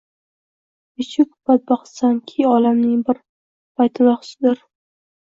Nechuk badbaxtsan ki olaming bir baytulahzondir